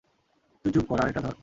তুই চুপ কর আর এটা ধর।